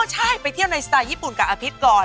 อ๋อใช่ไปเที่ยวไนสไตล์ญี่ปุ่นกับอภิษก่อน